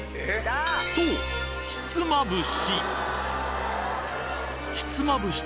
そう、ひつまぶし。